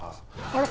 あれ